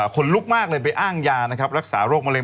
คนลุกมากเลยไปอ้างยานะครับรักษาโรคมะเร็